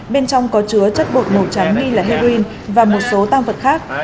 bên trong có chứa chất bột màu trắng nghi là heroin và một số tăng vật khác